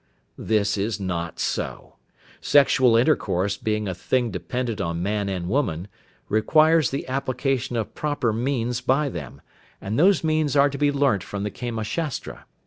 _ This is not so. Sexual intercourse being a thing dependent on man and woman requires the application of proper means by them, and those means are to be learnt from the Kama Shastra.